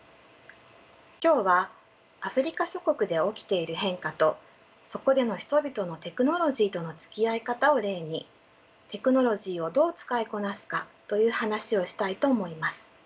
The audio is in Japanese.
今日はアフリカ諸国で起きている変化とそこでの人々のテクノロジーとのつきあい方を例にテクノロジーをどう使いこなすかという話をしたいと思います。